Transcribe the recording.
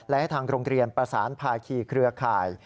และให้ทางโรงเรียนประสานภาคีเครือข่าย